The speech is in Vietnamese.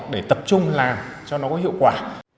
để tập trung làm cho nó có hiệu quả